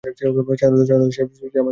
সাধারণত সে আমায় চেক করতে আসে।